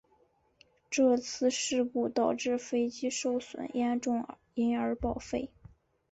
这次事故导致飞机受损严重因而报废。